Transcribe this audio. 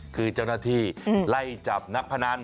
คือเจ้าหน้าที่ไล่จับนักพนัน